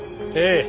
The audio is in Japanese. ええ。